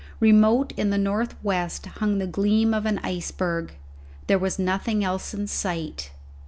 Remote in the north west hung the gleam of an iceberg; there was nothing else in sight.